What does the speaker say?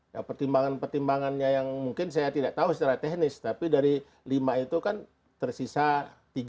nah pertimbangan pertimbangannya yang mungkin saya tidak tahu secara teknis tapi dari lima itu kan tersisa tiga